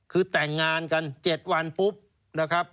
คือแต่งงานกัน๗วันปุ๊บ